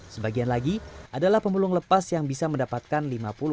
sebagian lagi adalah pemulung lepas yang bisa mendapatkan lima puluh seratus ribu rupiah per hari